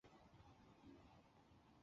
满语名词分成单数和众数两种。